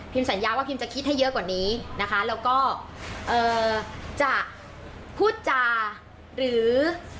สัญญาว่าพิมจะคิดให้เยอะกว่านี้นะคะแล้วก็เอ่อจะพูดจาหรือ